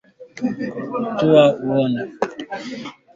Baadhi ya vyombo vya habari vimeripoti kwamba anaongoza mashambulizi mapya.